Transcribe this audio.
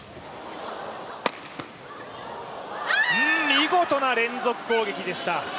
見事な連続攻撃でした。